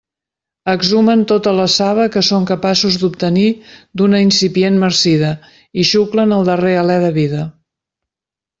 Exhumen tota la saba que són capaços d'obtenir d'una incipient marcida i xuclen el darrer alé de vida.